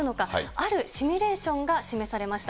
あるシミュレーションが示されました。